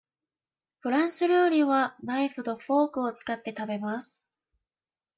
フランス料理はナイフとフォークを使って食べます。